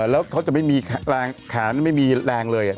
แล้วเขาจะไม่มีแรงแขนไม่มีแรงเลย